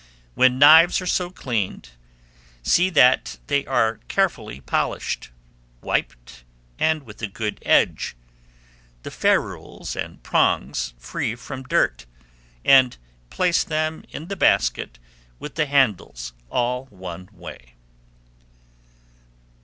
When knives are so cleaned, see that they are carefully polished, wiped, and with a good edge, the ferules and prongs free from dirt, and place them in the basket with the handles all one way.